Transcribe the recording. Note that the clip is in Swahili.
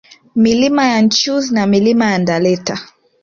Milima ya Nchuzi na Milima ya Ndaleta